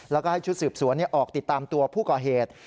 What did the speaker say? แล้วก็ให้ชุดสืบสวนออกติดตามตัวผู้ก่อเหตุ